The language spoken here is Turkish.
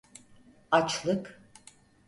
Açlık…